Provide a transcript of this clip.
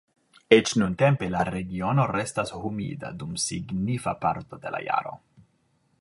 Eĉ nuntempe, la regiono restas humida dum signifa parto de la jaro.